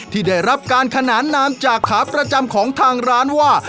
ที่ได้รับการขนานนามจากขาประจำของทางร้านว่า